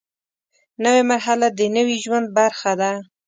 نوې مرحله د نوي ژوند برخه ده